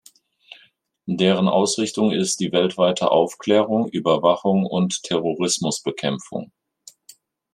Deren Ausrichtung ist die weltweite Aufklärung, Überwachung und Terrorismusbekämpfung.